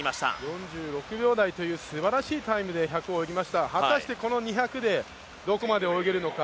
４６秒台というすばらしいタイムで果たして、この２００ｍでどこまで泳げるのか。